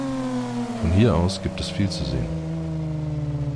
Von hier aus gibt es viel zu sehen.